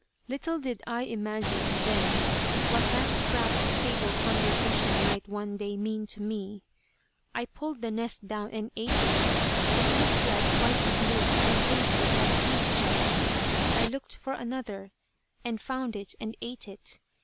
Little did I imagine then what that scrap of table conversation might one day mean to me. I pulled the nest down and ate it. It looked like white glue, and tasted like beef jelly. I looked for another, and found it and ate it.